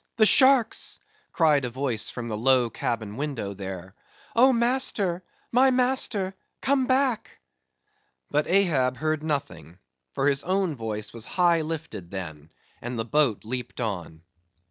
the sharks!" cried a voice from the low cabin window there; "O master, my master, come back!" But Ahab heard nothing; for his own voice was high lifted then; and the boat leaped on.